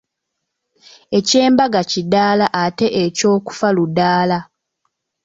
Eky’embaga kidaala ate eky’okufa ludaala.